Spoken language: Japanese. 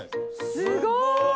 すごい！